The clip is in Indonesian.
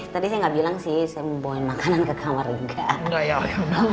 tadi saya nggak bilang sih saya mau bawain makanan ke kamar juga